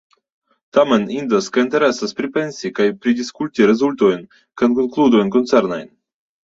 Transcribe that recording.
Tamen indas kaj interesas pripensi kaj pridiskuti rezultojn kaj konkludojn koncernajn.